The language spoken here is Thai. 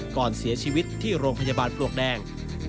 ก่อนเสียชีวิตที่โรงพยาบาลปลวกแดง